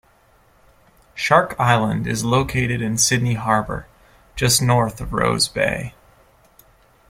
Shark Island is located in Sydney Harbour, just north of Rose Bay.